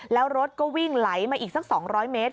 แล้วรถก็วิ่งไหลมาอีกสัก๒๐๐เมตร